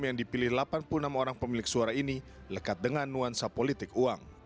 yang dipilih delapan puluh enam orang pemilik suara ini lekat dengan nuansa politik uang